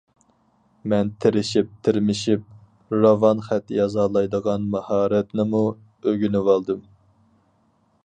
مەن تىرىشىپ- تىرمىشىپ راۋان خەت يازالايدىغان ماھارەتنىمۇ ئۆگىنىۋالدىم.